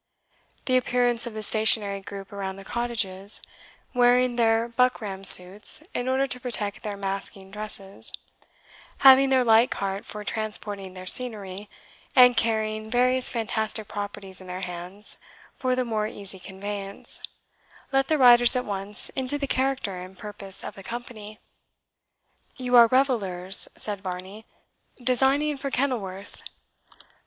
The appearance of the stationary group around the cottages, wearing their buckram suits in order to protect their masking dresses, having their light cart for transporting their scenery, and carrying various fantastic properties in their hands for the more easy conveyance, let the riders at once into the character and purpose of the company. "You are revellers," said Varney, "designing for Kenilworth?"